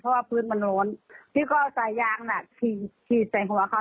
เพราะว่าพื้นมันโล้นพี่ก็เอาสายยางน่ะฉีดฉีดใส่หัวเขา